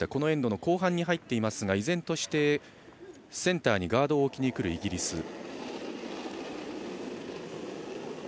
エンドの後半に入っていますが依然としてセンターにガードを置きにくるイギリス。